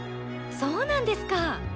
そうなんですか！